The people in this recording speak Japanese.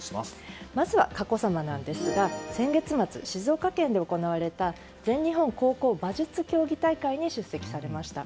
まずは佳子さまなんですが先月末、静岡県で行われた全日本高校馬術競技大会に出席されました。